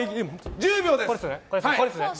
１０秒です。